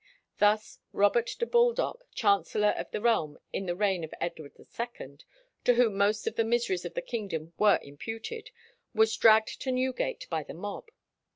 Thus Robert de Baldock, chancellor of the realm in the reign of Edward II, to whom most of the miseries of the kingdom were imputed, was dragged to Newgate by the mob.